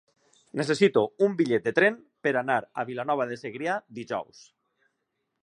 Necessito un bitllet de tren per anar a Vilanova de Segrià dijous.